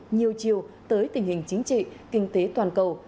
nhiều chiều tới tình hình chính trị kinh tế toàn cầu